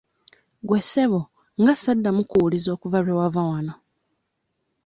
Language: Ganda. Gwe ssebo nga saddamu kkuwuliza okuva lwe wava wano?